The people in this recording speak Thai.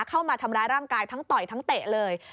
เข้ามาทำร้ายร่างกายทั้งต่อยทั้งเตะเลย